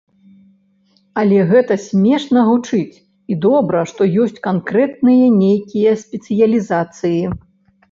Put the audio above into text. Але гэта смешна гучыць, і добра, што ёсць канкрэтныя нейкія спецыялізацыі.